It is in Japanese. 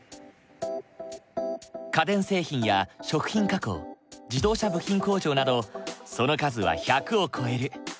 家電製品や食品加工自動車部品工場などその数は１００を超える。